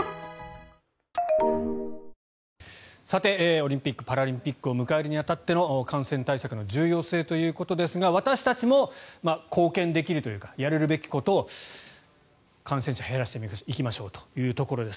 オリンピック・パラリンピックを迎えるに当たっての感染対策の重要性ということですが私たちも貢献できるというかやるべきことを感染者減らしていきましょうということです。